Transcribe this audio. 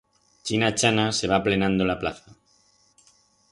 China-chana se va plenando la plaza.